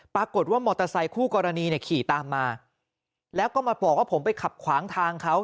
ปรากฏว่ามอเตอร์ไซด์คู่กรณีขี่ตามมาแล้วก็มาบอกว่าผมไปขับขวางทางเขา